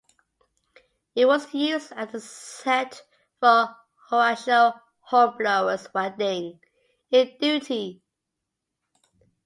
It was used as the set for Horatio Hornblower's wedding in "Duty".